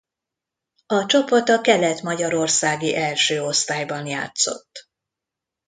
A csapat a kelet-magyarországi első osztályban játszott.